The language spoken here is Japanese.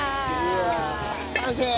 完成！